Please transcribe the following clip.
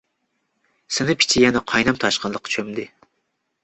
سىنىپ ئىچى يەنە قاينام-تاشقىنلىققا چۆمدى.